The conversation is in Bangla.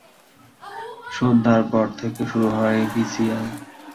সন্ধ্যার পর থেকে শুরু হয় ভিসিআর।